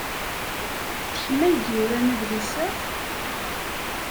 D kemm ay d-yuran adlis-a?